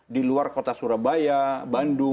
di luar kota surabaya bandung